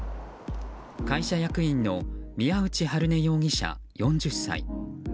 会社役員の宮内悠寧容疑者、４０歳。